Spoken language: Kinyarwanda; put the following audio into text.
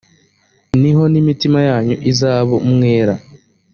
ni ho n imitima yanyu izaba umwera